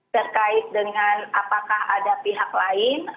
terkait dengan apakah ada pihak lain